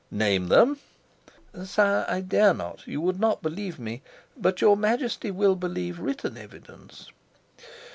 "Name them." "Sire, I dare not. You would not believe me. But your Majesty will believe written evidence."